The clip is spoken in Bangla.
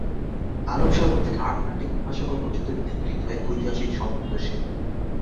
আরব সাগর থেকে আটলান্টিক মহাসাগর পর্যন্ত বিস্তৃত এক ঐতিহাসিক সম্বন্ধ সে!